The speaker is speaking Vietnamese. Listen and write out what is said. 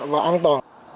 và an toàn